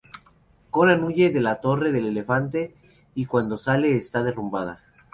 Conan huye de la Torre del Elefante y cuando sale esta se derrumba.